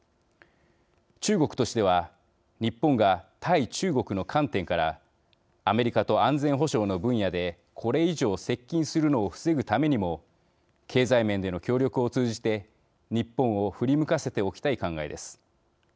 中国としては日本が対中国の観点からアメリカと安全保障の分野でこれ以上接近するのを防ぐためにも経済面での協力を通じて日本を振り向かせておきたい考えです。